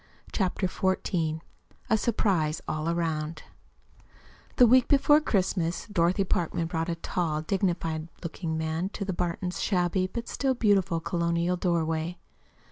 CHAPTER XIV A SURPRISE ALL AROUND The week before Christmas Dorothy Parkman brought a tall, dignified looking man to the Burtons' shabby, but still beautiful, colonial doorway.